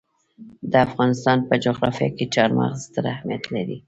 د افغانستان په جغرافیه کې چار مغز ستر اهمیت لري.